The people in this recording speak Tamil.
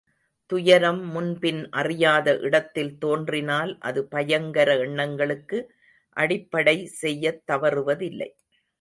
துயரம் முன்பின் அறியாத இடத்தில் தோன்றினால், அது பயங்கர எண்ணங்களுக்கு அடிப்படை செய்யத் தவறுவதில்லை.